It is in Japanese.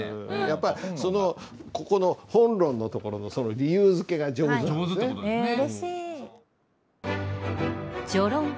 やっぱりそのここの本論のところの理由づけが上手なんですね。